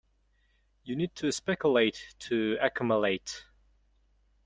You need to speculate, to accumulate.